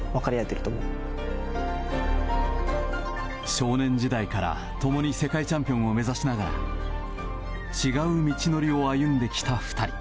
少年時代から、共に世界チャンピオンを目指しながら違う道のりを歩んできた２人。